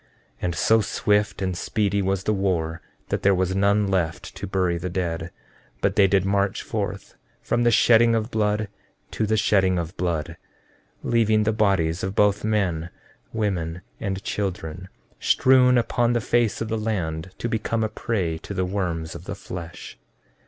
14:22 And so swift and speedy was the war that there was none left to bury the dead, but they did march forth from the shedding of blood to the shedding of blood, leaving the bodies of both men, women, and children strewed upon the face of the land, to become a prey to the worms of the flesh.